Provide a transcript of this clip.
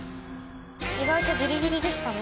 意外とギリギリでしたね。